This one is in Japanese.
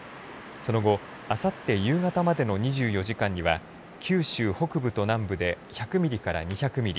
その後、あさって夕方までの２４時間には九州北部と南部で１００ミリから２００ミリ